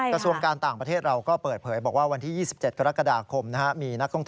กระทรวงการต่างประเทศเราก็เปิดเผยบอกว่าวันที่๒๗กรกฎาคม